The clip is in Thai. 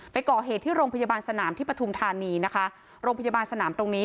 ไปก่อเหตุที่โรงพยาบาลสนามที่ปฐุมธานีนะคะโรงพยาบาลสนามตรงนี้